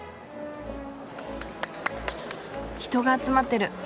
人が集まってる。